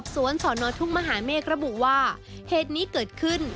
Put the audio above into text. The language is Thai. สวทบุตรที่ก่อน